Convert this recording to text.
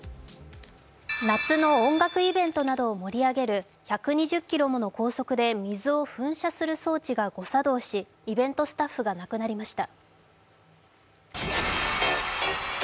夏の音楽イベントなどを盛り上げる１２０キロもの高速で水を噴射する装置が誤作動しイベントスタッフが亡くなりました。